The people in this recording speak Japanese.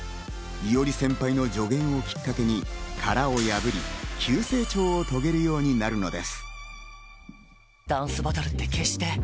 伊折先輩の助言をきっかけに、殻を破り、急成長を遂げるようになるのです。